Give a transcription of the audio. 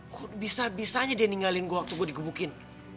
kok bisa bisanya dia ninggalin gue waktu gue digebukin